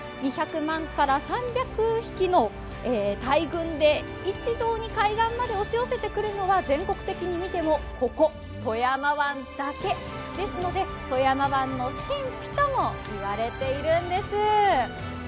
２００万から３００万匹の大群で押し寄せてくるのは全国的に見てもここ、富山湾だけ、ですので富山湾の神秘とも言われているんです。